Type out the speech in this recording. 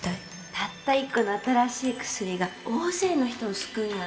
たった１個の新しい薬が大勢の人を救うのよ